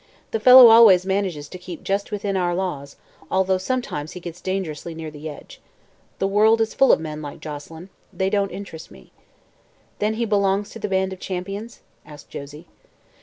The fellow always manages to keep just within our laws, although sometimes he gets dangerously near the edge. The world is full of men like Joselyn. They don't interest me." "Then he belongs to the band of Champions?" asked Josie.